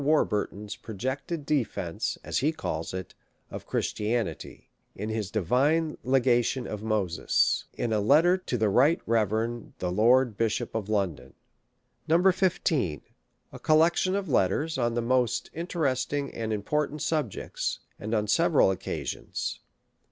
Warburton's projected Defence (as he calls it) of Christianity, in his Divine Legation of Moses. In a Letter to the Right Rev. the Lord Bishop of London. 15. A Collection of Letters on the most interesting and important Subjects, and on several Occasions.